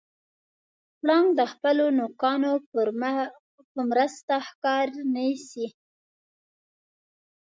پړانګ د خپلو نوکانو په مرسته ښکار نیسي.